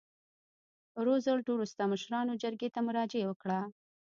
روزولټ وروسته مشرانو جرګې ته مراجعه وکړه.